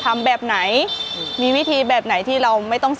ทำแบบไหนมีวิธีแบบไหนที่เราไม่ต้อง